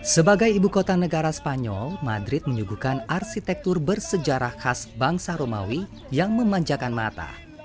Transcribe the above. sebagai ibu kota negara spanyol madrid menyuguhkan arsitektur bersejarah khas bangsa romawi yang memanjakan mata